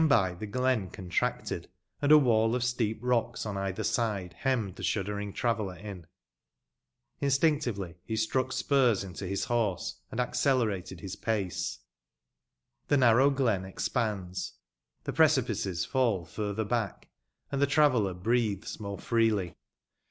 By and by tlie glen contracted, and a "wall of steep rocbs o^ either side nemmed tie shuddering traveller in. Instinctiyelj^ lie Struck spure into bis horse, and accelerated liis pace. The narrow glen expands, the precipices fall furtner bcMsk, and tiie traveller breathes more freely.